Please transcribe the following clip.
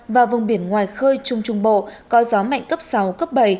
và vùng biển ngoài khơi trung trung bộ có gió mạnh cấp sáu cấp bảy